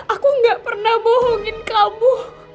aku gak pernah bohongin kamu